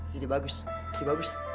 jadi bagus jadi bagus